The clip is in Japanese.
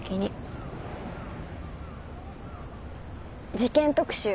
事件特集